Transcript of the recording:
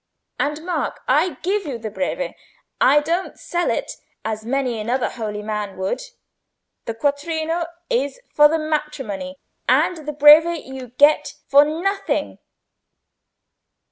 And mark—I give you the Breve, I don't sell it, as many another holy man would: the quattrino is for the matrimony, and the Breve you get for nothing.